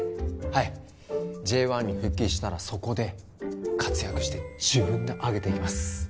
はいＪ１に復帰したらそこで活躍して自分で上げていきます